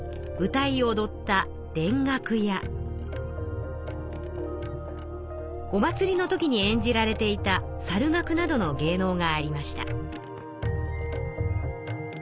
歌いおどったお祭りの時に演じられていた猿楽などの芸能がありました。